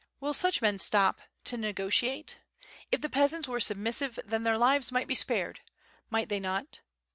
Will such men stop to negotiate? If the peasants were submissive then their lives might be spared, might they not?